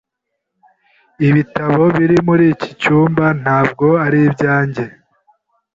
Ibitabo biri muri iki cyumba ntabwo ari ibyanjye.